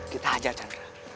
kita ajak chandra